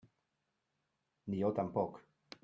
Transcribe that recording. Ni jo tampoc.